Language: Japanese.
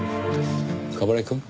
冠城くん。